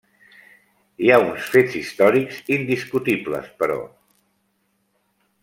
Hi ha uns fets històrics indiscutibles, però.